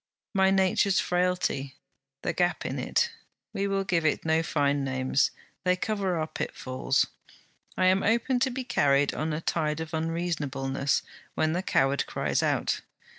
'My nature's frailty, the gap in it: we will give it no fine names they cover our pitfalls. I am open to be carried on a tide of unreasonableness when the coward cries out.